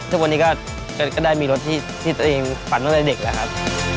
ทุกวันนี้ก็ได้มีรถที่ตัวเองฝันตั้งแต่เด็กแล้วครับ